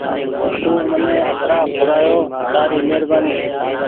تو مني اترآن کورآيو تآري مهربآني